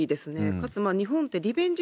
かつ、日本ってリベンジ